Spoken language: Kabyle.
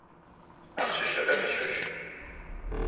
Aqcic-a d afeḥcuc.